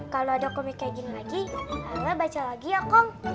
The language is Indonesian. kalau ada komik kayak gini lagi ala baca lagi ya kom